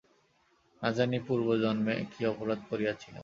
না জানি পূর্বজন্মে কী অপরাধ করিয়াছিলাম।